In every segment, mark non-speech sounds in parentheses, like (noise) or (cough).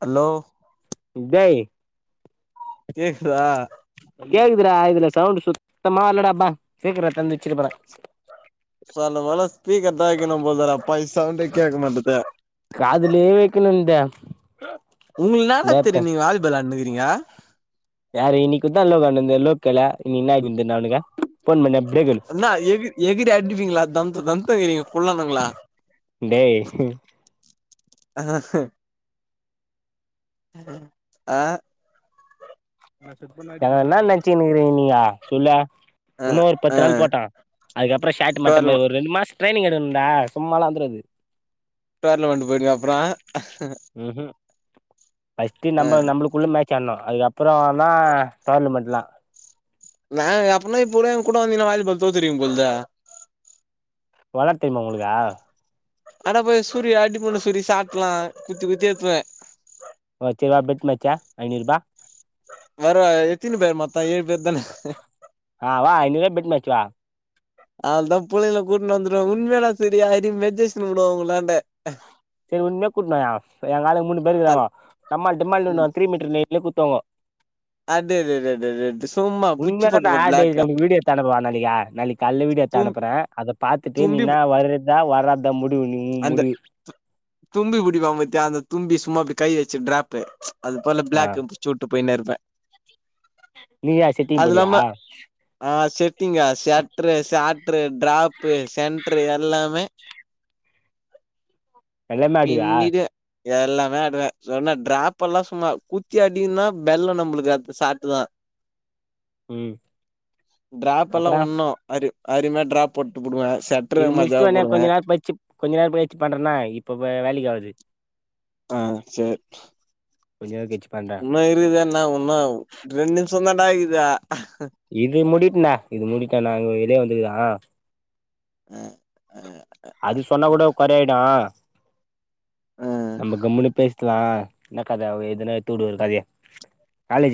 hello Uday கேக்குதா கேக்குதுடா இதுல்ல சவுண்ட் சுத்தமா இல்லடாப்பா சீக்கர தந் இச்சிர் பர சொல்ல மல ஸ்பீக்கர்தா வெக்கினு போதல ப்பை சவுண்டே கேக்க மாட்டுது காதுலயே வெக்கணுந்த உங்ளுக் இன்னாடா தெரியு நீங்க வாலிபால் விளானுக்றிங்க யாரு இனிக்குந்தா எல்லா வெளானுட்ருந்தோ எலோப் கேளே நீ என்னாந்த அவுனுக்கு ஃபோன் பண்ணு என்னா எகி எகிறி அடிப்பிங்ள தம்த தம்தகிறிங்க உள்ளதுங்ளா டேய் ஆ என என்னா நெனைச்சுனுருக்கிங்க நீங்க சொல்ல இன்னு ஒரு ஆ பத்து நாள் போட்ட அதுக்கப்பற ஷாட் மட்டு டோர்லம பாரு ஒரு ரெண்டு மாச ட்ரைனிங் எடுக்கனுன்டா சும்மாலா வந்துராது டோர்னமெண்ட் போயிடுவ அப்றோ ம் ஹு ஃபஸ்ட்டு நம்ப நம்புளுக்குள்ள மேட்ச் ஆனு அதுக்கப் பற வேனா டோர்னமெண்ட்லா நாங் அப்பனா இப்ப கூட எங்கூட வந்திங்க வாலிபால் தோத்துருவிங்க போலுதே வெளாட தெரிமா உங்களுக்கு ஆனா போய் சூரிய அடி பண்ணு சூரி சாப்பிட்ரலா குத்தி குத்தி எடுப்பே ஓச்சே பெட் மச்சா ஐநூர்பா வேற எத்தினி பேர் மொத்த ஏழு பேர் தான ஆ வா ஐநூர்பா பெட் மச்சா அவள்தா புள்ளைங்கல கூட்னு வந்துருவ உண்மையல்லா சரியா மெஜேஷன் உடுவ உங்களாண்ட செரி உண்மையா கூட்னுவா எ ஆளுங்க மூணு பேர் இருக்கறாங்கோ தல் டமால் டிமால்னு த்ரீ மீட்டர் லைன்ல குத்துவாங்கோ அதெதெதெதெது சும்மா புச்சி உண்மையாதா நா போட்டுவ பிளாக்கு கால்ல வீடியோ எட்த்து அனுப்புறே அத பாத்துட்டு நீனா வர்றதா வராதா முடிவு நீ அந்த முடிவு தும்பி புடிப்பாங் பாத்தியா அந்த தும்பி சும்மா அப்டி கை வச்சு ட்ராப்பு அது போல ஆ பிளாக்கு வச்சு வுட்டு போய்னே இருப்பே நீயா செட்டிங் அது போடுவியா இல்லாம ஆ செட்டிங்கா செட்ரு சேட்ரு ட்ராப்பு சென்ட்ரு எல்லாமே எல்லாமே ஆடுவியா பின்னிருவே எல்லாமே ஆடுவே சொன்னா டிராப்பெல்லா சும்மா குத்தி அடின்னா வெல்லோ நம்ப்ளுக்கு அது சாட்டுதா ம் (unintelligible) டிராப்பெல்லா அப்பறோ ஒன்னு அரு அருமையா டிராப் போட்டுப்புடுவே செட் இது முச்ட்டோன்னே கொஞ்ச நேரோ பச்சு கொஞ்ச நேரோபச்சு பண்றேனா இப்ப வே வேலைக்கி ஆவாது ஆ சேர் கொஞ்ச நேரோ கழிச்சு பண்றே உன்னு இருக்குத இன்னு ஒன்னு ரெண்ட் நிம்ஷோ தாண்டா இக்குது இது முடிட்டுடா இது முடிக்க நாங் வெளியே வந்துக்குலா அ அ அது சொன்னா கூட கொறயாயிடு ஆ நம்ப கம்முன்னு பேசிக்லா என்னா கத எதுனா எடுத்துடுவ கதய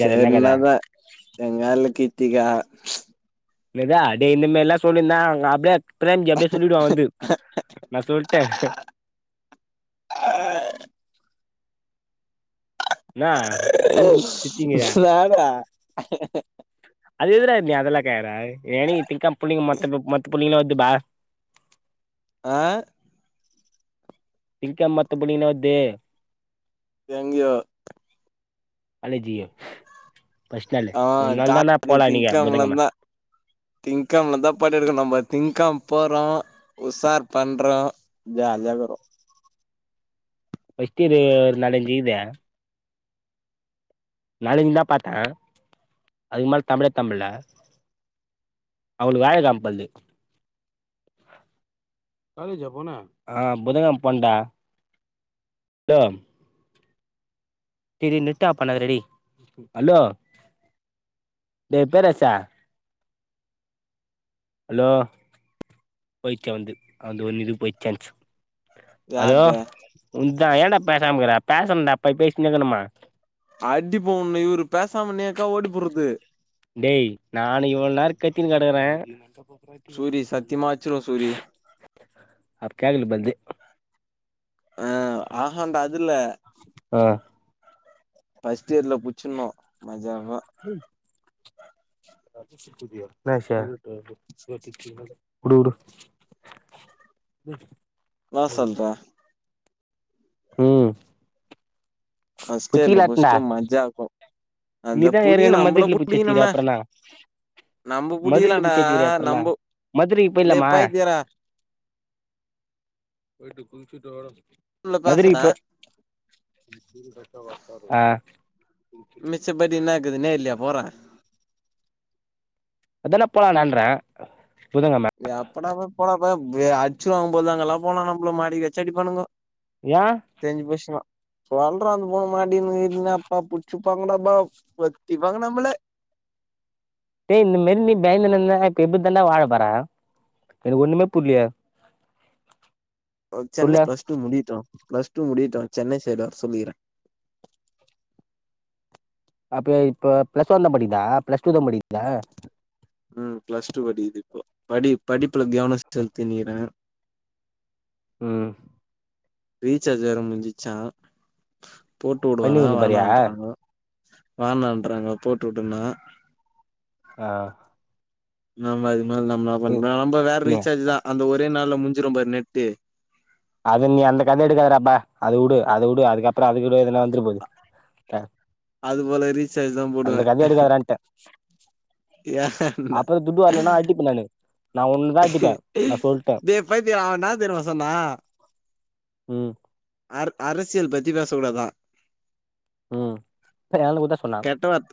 சேர் இன்னாத எங்காளு கித்திக்கா என்னதா டேய் இந்த மாரில்லா சொல்லிருந்தா ஆங் அப்டியே பிரேம்ஜி அப்டியே சொல்லிடுவா வந்து நா சொல்ட்டே என்னா சிரிச்சீங்கிற நா டா அது எதுரா நீ அதெல்லா கேக்ர எனிக்கு திங்கம் புள்ளிங்க மத்த மத்த புள்ளிங்ளா வருது பா ஆ இதுக்கா மத்த புள்ளைங்லா வர்து தேங்க்யூ காலேஜுக்கு ஃபர்ஸ்ட் நாளு ஆ மூண்ணாள்தாண்டா காலேஜ் போல அன்னிக்கி புதன்கெழம திங்கம்ல இருந்தா படோ எடுக்கனு நம்ப திங்கம் போறோ உஷார் பண்றோ ஜாலியாகுரோ ஃபர்ஸ்ட் இயரு ஒரு நாள லீவு நாலு அஞ்சு தா பாத்தே அதுக்கு மேல தமிழேத்தம் இல்ல அவுளுக்கு வியாழக்கெழம பொழ்து ஆ புதன்கெழம் போண்டா டாம் டேய் டேய் நெட் ஆஃப் பண்ணாத டா டேய் அலோ டேய் பேரரசே அலோ பைத்தியோ வந்து அந்து ஒன்னு இது போய் சான்ஸ் அலோ யார்து உன்தா ஏண்டா பேசாமக்ற பேசணுடா பை பேசினேக்கணுமா அடிப்பே ஒன்ன இவுரு பேசாமா நேக்கா ஓடி போறது டேய் நானு இவ்வுள் நேரோ கத்தினு கடக்குறே சூரி சத்தியமா அச்சிருவ சூரி அப் கேக்ல பல்து ஆ ஆஹா டா அதுல்ல அ ஃபர்ஸ்ட் இயர்ல புச்சுன்னு மஜாவா என்னா விஷயோ வுடுவுடு நா சொல்ற ம் ஃபர்ஸ்ட் இயர்ல புச்சிக்கலாட்டண்டா புஸ்ட்டு மஜா அந்த நீதா புடியும் ஏற்கனவே நம்ளு மதுரையில புச்சி வச்சிக்கிற புடிக்ணுமே அப்றோ என்னா நம்ப மதுரையில புடிகலாடா புச்சி வச்சிக்கிறியே அப்றோ என்னா நம்போ மதுரைக்கு டேய் போயிட்லாமா பைத்தியக்காரா போயிட்டு குளிச்சிட்டு வரோ உள்ள பேசுற மதுரைக்கு போய் அ சிப்பத்தி என்னாக்குது நேர்லயா போரே அதாடா போலா நான்ற புதன்கிழம எப்படா போ போடாப்ப வ அச்சிருவாங்க பொல்து அங்காளாப் போனா நம்மள மடக்கி வெச்சி அடிப்பானுங்கோ யா தெரிஞ்சு போச்சினா சொல்ற அதுபோல மாட்டிக்கினா கிட்டின்னு அப்பா புடிச்சிப்பாங்கடப்பா பொத்திப்பாங்க நம்ள டேய் இந்த மாரி நீ பயந்துன்னு இருந்தனா எப்டிதா வாழப் போற எனக்கு ஒண்ணுமே புர்லயே ஓ சென்னை சொல்லு பிளஸ் டூ முடிட்டோ பிளஸ் டூ முடிட்டோ சென்னை சைடு வர சொல்லிக்கிற அப்ப இப்பொ பிளஸ் ஒன் தான் படிக்குதா பிளஸ் டூ தான் படிக்கிதா உம் பிளஸ் டூ படிக்குது இப்போ படி படிப்புல கவன செ செலுத்தினுக்கிற உம் ரீசார்ஜ் வேற முடிஞ்சிச்சா போட்டு விடுவானா பன்னியூர் பாரியா வேணான்றாங்க வானன்றறாங்க போட்டு வுடுனா ஆ நம்ம அது மாரி நம்மளான் இ பண்ண நம்ம வேற நீ ரீசார்ஜ் தான் அந்த ஒரே நாள்ல முஞ்சிரும் பாரு நெட்டு அது நீ அந்த கத எடுக்காதடப்பா அது வுடு அது வுடு அதுக்கப்புறம் அது கூட எதுனா வந் துறபோது க அது போல ரீசார்ஜ் தா அந்த போடுவே கதைய எடுக்காதடான்ட்ட யான்டா அப்புறோ துட்டு வரலன்னா அடிப்பே நானு நா ஒன்னுதா அடிப்பே நா சொல்ட்டே டேவ் பைத்திய அவன் என்ன தெரிமா சொன்னா உம் அர் அரசியல் பத்தி பேச கூடதான் ம் எனக்கு குத்தா சொன்னா கெட்ட வாத்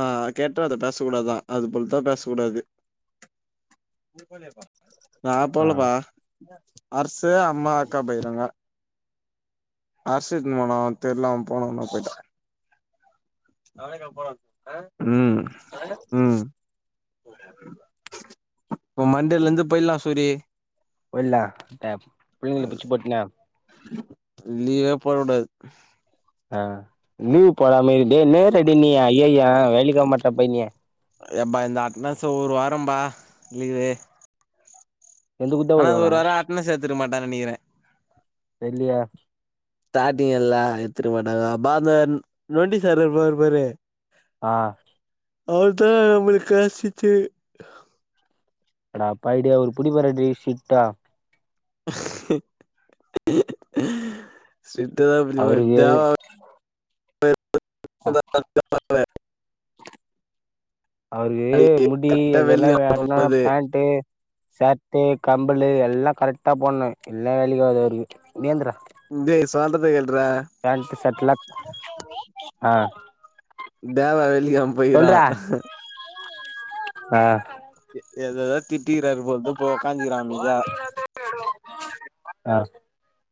ஆ கெட்ட அத பேச கூடாதான் அது போல்தான் பேச கூடாது நா ஆ போலப்பா அரசு அம்மா அக்கா போய்றாங்க அரசு துன்னு போனு தெர்ல அவ போனோம்னும் போயிட்டா உம் உம் இப்ப மண்டேல இருந்து போய்லா சூரி போயிட்லாம் ந பிள்ளைங்க பிச்சி போட்டுனா லீவே போட கூடாது ஆ லீவ் போடா மெரி டே என்னடே நீயி ஐய்யய்ய வெள்ளி கிழம மட்டு போய்னு எப்பா இந்த அட்னஸ் ஒரு வாரம்பா லீவு எந்த குத்தா ஆனா அது வருவாரா ஒரு வாரொ அட்னஸ் எடுத்துருக்க மாட்டா நெனைக்கிறேன் தெல்லீய ஸ்டாட்டீங் எல்லாம் எடுத்துருக்க மாட்டாங்க அப்ப அந்த நொண்டி சார் இருப்பார் பாரு ஆ அவர் தா நமளுக் க்ளாஸ் டீச்சரு அடா அப்பா ஐடியா ஒரு புடிப்பாரடி ஸ்டிட்டா அவருக்கு (inaudible) (inaudible) அவுருக்கு நாளைக்கு முடி கரெக்டா இதெல்லா வெள்ளிக்கெழம வேண்டா போம்போது பேண்ட்டு ஷர்ட் பட்டே கம்பளு எல்லா கரெக்டா போன்னு இல்ல வேலிக்கு ஆகாது அவுருக்கு ஏந்துர்ரா த்து சொல்லறத‌ கேள்ல்றா பேன்ட் ஷர்ட்லா ஆ தேவா வெள்ளி கிழம போய்கிறா சொல்றா ஆ ஏதோதோ திட்டிறாரு போழுது போய் உக்காஞ்சிரா அமைதியா அ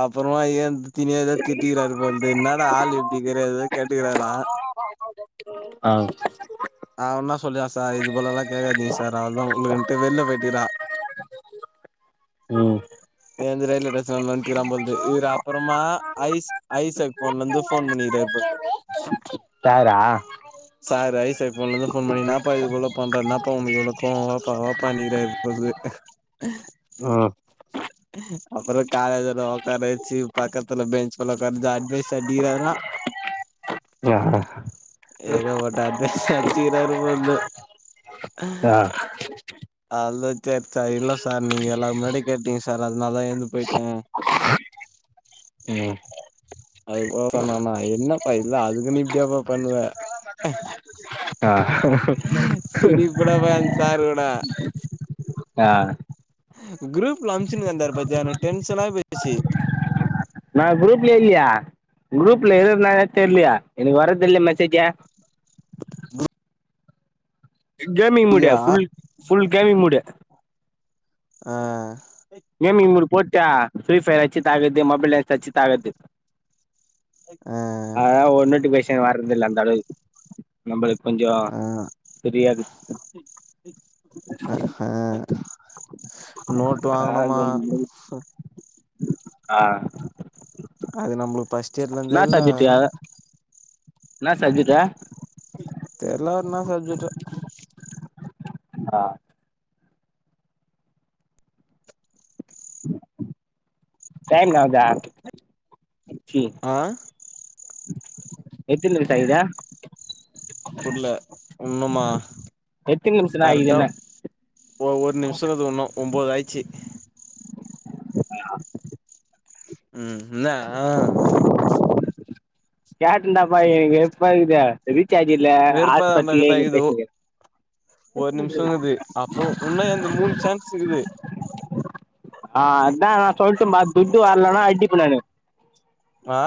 அப்றோமா ஏ துத்தினே இருக்குற ஏதா திட்டிக்கிறாரு பொழுது என்னாட ஆள் இப்டி இக்கிற கேட்டுக்கிறாரா ஆ ஆமா ஃப்ரோ ஆ ஆவுனா சொல்லுவா சார் இதுபோலெல்லா கேக்காதீங்க சார் அவ்ளோதா உங்களுக்குட்டு வெள்ல போயிட்க்கிறா (inaudible) ம் ஏ வந்து ரயில்வே ஸ்டேஷன்ல வட்டுனுக்கிறா போழுது இ அப்றமா ஐஸ் ஐசெக் ஃபோன்ல இருந்து ஃபோன் பண்ணிக்கிட்ட இருப்பாரு (inaudible) தாக்ரா சார் ஐசெக் உன்னுதுல ஃபோன் பண்ணி இன்னாப்பா இது போல பண்றா இன்னாப்பா உனக்கு இவ்ளோ கோவோ வாப்பா வாப்பா நீர இரு (unintelligible) ஆ அப்றோ காலேஜல உக்காற வச்சு பக்கத்தல பெஞ்ச் பலக எடுத் அடிச் பேச அடிகிராறா ஆ ஏக பட்ட அட்வைஸ் வச்சுக்கிறாரு போல்லே அ ஆ (unintelligible) சார் இல்லே சார் நீங்கே எல்லாரு முன்னாடி கேட்டீங்கே சார் அதனால தா ஏந்து போயிட்டே ம் அது போல சொன்னனா என்னப்பா இல்ல அதுக்குன்னு இப்டியாப்பா பண்ணுவே அ சிரிப்பு டா அந்த சார் ஓட ஆ குரூப் ல அம்ச்சுன்னுந்தாரு பாத்தியா எனக்கு டென்ஷனா ஆயிபோச்சு நா குரூப்லே இல்லியே குரூப்லே இருக்கானே தெர்லையே எனக்கு வரது இல்லே மெசேஜ்ஜே (unintelligible) கேமி மூடு யா ஃபுல் ஃபுல் கேமிங்மூடு ஆ கேமிங் மூடு போட்டு ஃரீஃபர்யே அடிச்சி தாக்குறது மொபைல் வச்சி தாச்கது ஆ ஆ ஒன்னுட்டு பேச வர்றதில்லே அந்தளவுக்கு நம்மளுக்கு கொஞ்சோ ஆ ஃப்ரீயாக்குது அ நோட்டு வாங்குனும்மா ஆ அது நம்மளுக்கு ஃபர்ஸ்ட் இயர்லே இருந்தே இல்ல என்ன சப்ஜட் டூ தெர்ல்லா என்ன சப்ஜெக்டோ ஆ டைம் நாட் தெட் ஹி ஆ (unintelligible) புர்லே ஒண்ணுமா எத்தினி நிமிஷம்தா ஆகுது கரெக்டா என்ன ஒ ஒரு நிமிஷ இருக்கு இன்னு ஒம்போதாய்ச்சு ஆ ம் என்னே ஆ (unintelligible) ரீச்சார்ஜ் இல்ல வெறுப்பா ஹாஸ்பாட் இருந்தா எங்கே இது பேசிகிட்டு ஒரு நிமிஷ ருக்குது அப்பற உன்னா இந்த மூணு சான்ஸ் இருக்குது அதா நா சொல்ட்டுமா துட்டு வரலன்னா அடிப் (unintelligible) ஆ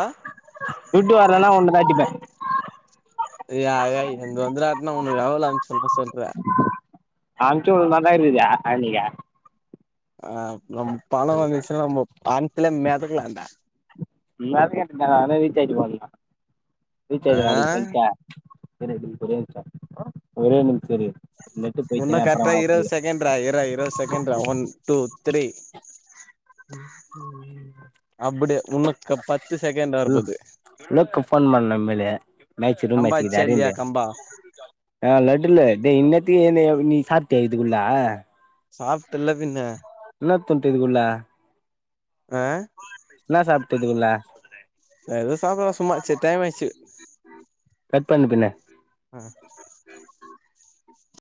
துட்டு வரலன்னா உண்ணத அடிப்பே இதுயக எந்த வந்த ராட்டனா உனக்கு எவ்வளவு அனுப்பு விடனு சொல்ற அம்ச்சு (unintelligible) அண்ணிகே ஆ நம்ம பண வந்துச்சுன்னா நம்ம பணத்துலயே மெதக்கலா டா மெதக்கனுடா ரீஜார்ஜ் போடனு ஆ ரீஜார்ஜ் நாளைக்கி பண்டா இரு ஒரே நிமிசம் ஒரே நிமிச இரு நெட்டு உன்ன போயிச்சுன்னா கரக்டா இருபது அப்புறோ செகண்டரா இர்ரா இருபது செகண்டரா ஒன் டூ த்ரீ அப்டி உனக்கு பத்து செகண்டு வர போது லுக்கு போன் பன்னே மேல்லு மேச்ச ரூம் கம்பா மேச்சுக்குது அச்சா இல்லையா அரவிந்து கம்பா ஆ லோடுலு டேய் இன்னத்தி நீ எழுந்து சாப்டிய இதுகுள்ளே சாப்டல்ல பின்னே என்னா தின்டே இது குள்ளே ஆ என்னா சாப்பிட்ட இதுக்குல்ல ஏதோ சாப்பிட்டே சும்மா சேரி டைம் ஆச்சு கட் பண்ணு பின்ன ம்